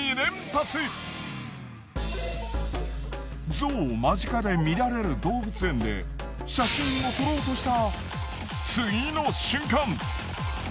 ゾウを間近で見られる動物園で写真を撮ろうとした。